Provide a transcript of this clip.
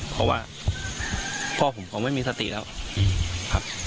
เพราะว่าพ่อผมเขาไม่มีสติแล้วครับ